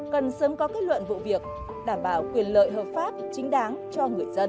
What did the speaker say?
cần sớm có kết luận vụ việc đảm bảo quyền lợi hợp pháp chính đáng cho người dân